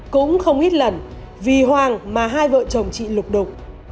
cũng không ít lần vì hoàng mà hai vợ chồng chị lục đục